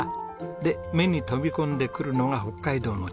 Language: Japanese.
で目に飛び込んでくるのが北海道の地図。